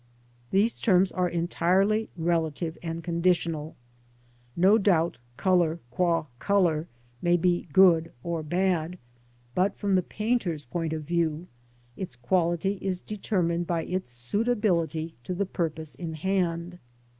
These terms are entirely relative and conditional. No doubt colour gud colour may N COLOUR. 47 be good or bad ; but, from the painter's point of view, its quality is determined by its suitability to the purpose in hand.